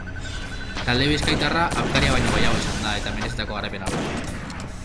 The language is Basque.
Talde bizkaitarra aukaria baino gehiago izan da, eta merezitako garaipena lortu du.